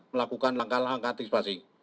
melakukan langkah langkah antisipasi